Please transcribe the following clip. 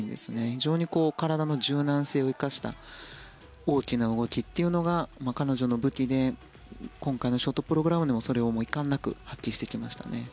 非常に体の柔軟性を生かした大きな動きというのが彼女の武器で今回のショートプログラムでもそれをいかんなく発揮してきましたね。